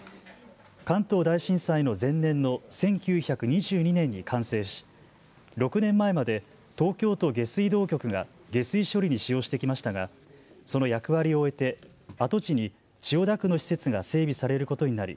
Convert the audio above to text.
関東大震災の前年の１９２２年に完成し６年前まで東京都下水道局が下水処理に使用してきましたがその役割を終えて跡地に千代田区の施設が整備されることになり